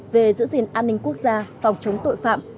về giữ gìn an ninh quốc gia phòng chống tội phạm